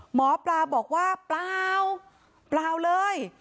หมอปลาบอกว่าเปล่าเปล่าเลย